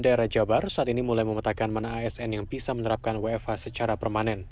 daerah jabar saat ini mulai memetakan mana asn yang bisa menerapkan wfh secara permanen